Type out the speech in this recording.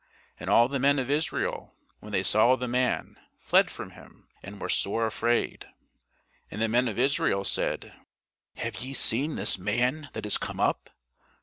And all the men of Israel, when they saw the man, fled from him, and were sore afraid. And the men of Israel said, Have ye seen this man that is come up?